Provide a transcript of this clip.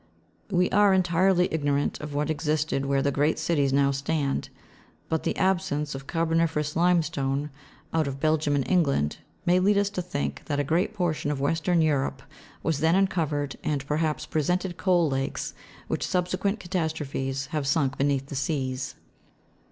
We are entirely ignorant of what existed where the great cities now stand; but the absence of carboniferous limestone, out of Bel gium and England, may lead us to think that a great portion of western Europe w.as then uncovered, and perhaps presented coal^ lakes which subsequent catastrophes have sunk beneath the seas.